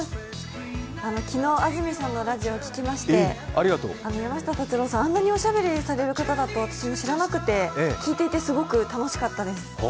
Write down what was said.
昨日、安住さんのラジオを聞きまして、山下達郎さん、あんなにおしゃべりされる方だと私、知らなくて聴いていてすごく楽しかったです。